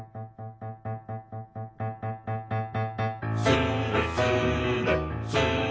「スレスレスレスレ」